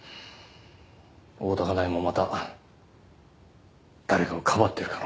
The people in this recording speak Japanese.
大多香苗もまた誰かをかばってる可能性がある。